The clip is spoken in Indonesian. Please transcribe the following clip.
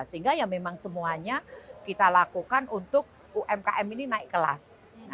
sehingga ya memang semuanya kita lakukan untuk umkm ini naik kelas